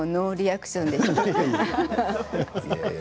ノーリアクションでした。